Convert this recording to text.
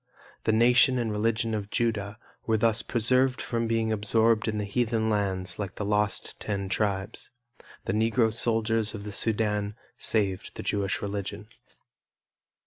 The nation and religion of Judah were thus preserved from being absorbed in heathen lands like the lost Ten Tribes. The Negro soldiers of the Sudan saved the Jewish religion.